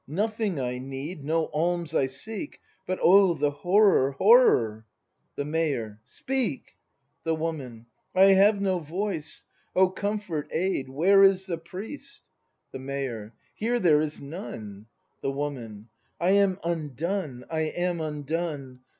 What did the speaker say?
Nothing I need; no alms I seek. But oh, the horror, horror The Mayor. The Woman. Speak ! I have no voice, — O comfort, aid! Where is the priest ? The Mayor. Here there is none — The Woman. I am undone! I am undone!